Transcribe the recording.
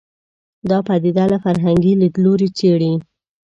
دا پدیده له فرهنګي لید لوري څېړي